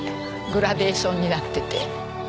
グラデーションになってて。